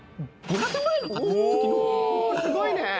すごいね。